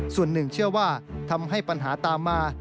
ส่วนหนึ่งเชื่อว่าทำให้ปัญหาตามมา